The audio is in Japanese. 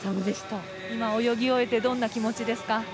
今、泳ぎ終えてどんな気持ちですか。